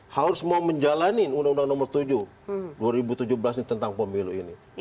harus mau menjalani undang undang nomor tujuh dua ribu tujuh belas ini tentang pemilu ini